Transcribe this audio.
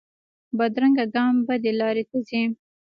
بدرنګه ګام بدې لارې ته ځي